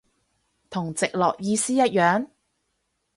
同直落意思一樣？